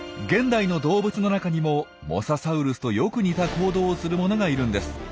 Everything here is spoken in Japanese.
現代の動物の中にもモササウルスとよく似た行動をするものがいるんです。